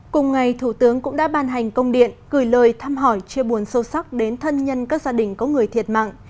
cùng ngày thủ tướng cũng đã ban hành công điện gửi lời thăm hỏi chia buồn sâu sắc đến thân nhân các gia đình có người thiệt mạng